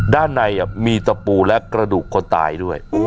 ด้านในมีตะปูและกระดูกคนตายด้วย